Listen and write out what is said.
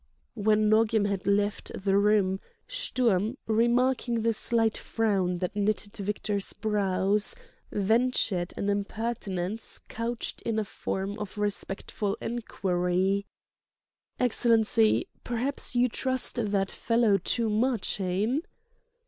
When Nogam had left the room, Sturm, remarking the slight frown that knitted Victor's brows, ventured an impertinence couched in a form of respectful enquiry: "Excellency, perhaps you trust that fellow too much, hein?"